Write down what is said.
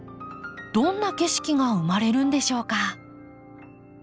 どんな景色が生まれるんでしょうか？